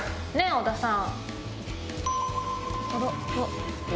小田さん。